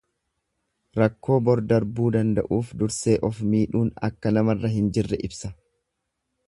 Rakkoo bor darbuu danda'uuf dursee of miidhuun akka namarra hin jirre ibsa.